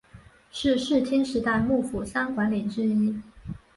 是室町时代幕府三管领之一。